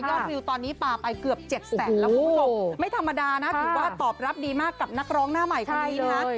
วิวตอนนี้ปลาไปเกือบ๗แสนแล้วคุณผู้ชมไม่ธรรมดานะถือว่าตอบรับดีมากกับนักร้องหน้าใหม่คนนี้นะฮะ